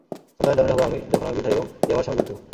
সন্তানের জননী হব আমি, যখন আমি বৃদ্ধা এবং এই আমার স্বামী বৃদ্ধ।